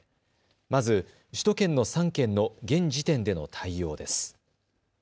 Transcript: まず、首都圏の３県の現時点での対応です。